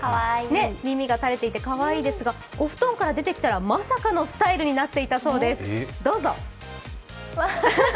耳が垂れていてかわいいですが、お布団から出てきたらまさかのスタイルになっていたそうです。